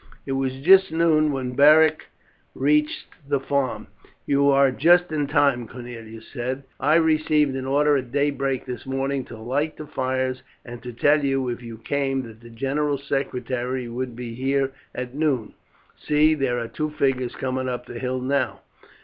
It was just noon when Beric reached the farm. "You are just to the time," Cornelius said. "I received an order at daybreak this morning to light the fires and to tell you if you came that the general's secretary would be here at noon. See, there are two figures coming up the hill now."